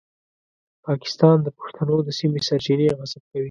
پاکستان د پښتنو د سیمې سرچینې غصب کوي.